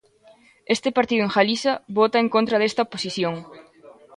Este partido en Galiza vota en contra desta posición.